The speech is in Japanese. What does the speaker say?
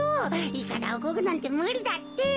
いかだをこぐなんてむりだって。